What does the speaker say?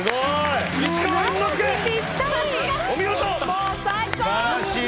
もう最高！